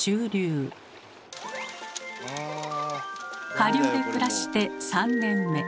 下流で暮らして３年目。